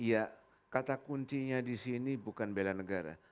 iya kata kuncinya di sini bukan belan negara